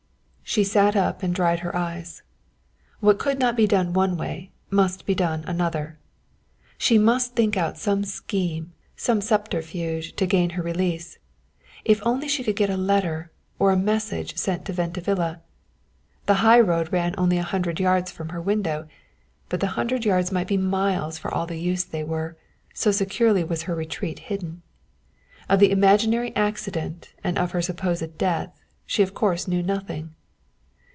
She sat up and dried her eyes. What could not be done one way, must be done another. She must think out some scheme, some subterfuge to gain her release. If only she could get a letter or a message sent to Venta Villa. The high road ran only a hundred yards from her window, but the hundred yards might be miles for all the use they were, so securely was her retreat hidden. Of the imaginary accident and of her supposed death she of course knew nothing.